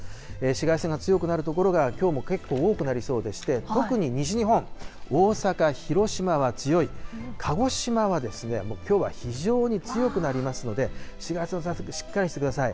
紫外線が強くなる所がきょうも結構多くなりそうでして、特に西日本、大阪、広島は強い、鹿児島はですね、もうきょうは非常に強くなりますので、紫外線の対策しっかりしてください。